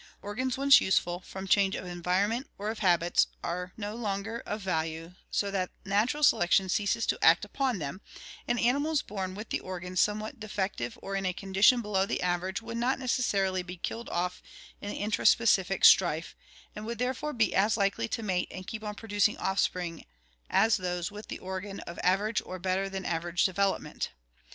Organs once useful, from change of environment or of habits are no longer of value, so that natural selection ceases to act upon them, and animals born with the organ somewhat defec tive or in a condition below the average would not necessarily be killed off in the intra specific strife and would therefore be as likely to mate and keep on producing offspring as those with the organ of average or better than average development.